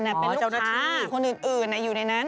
มีลูกค้าคนอื่นอยู่ในนั้น